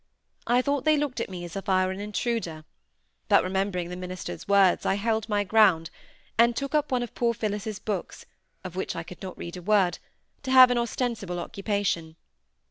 I thought they looked at me as if I were an intruder, but remembering the minister's words I held my ground, and took up one of poor Phillis's books (of which I could not read a word) to have an ostensible occupation.